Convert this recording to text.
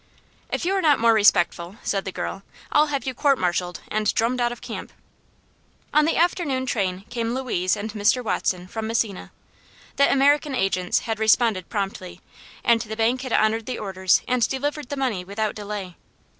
"If you're not more respectful," said the girl, "I'll have you court marshalled and drummed out of camp." On the afternoon train came Louise and Mr. Watson from Messina. The American agents had responded promptly, and the bank had honored the orders and delivered the money without delay.